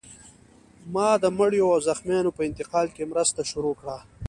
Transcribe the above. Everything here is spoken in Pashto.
ما د مړیو او زخمیانو په انتقال کې مرسته شروع کړه